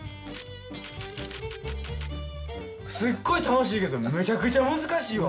すっごい楽しいけどめちゃくちゃ難しいわ。